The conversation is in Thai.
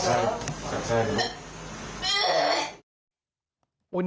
สักแท้สักแท้